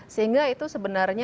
sehingga itu sebenarnya